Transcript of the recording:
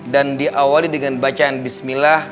dan diawali dengan bacaan bismillah